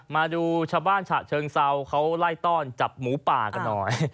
มาดูชาวบ้านฉะเชิงเซาเขาไล่ต้อนจับหมูป่ากันหน่อย